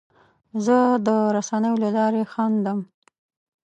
زه د رسنیو له لارې خندم.